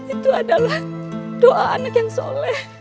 itu adalah doa anak yang soleh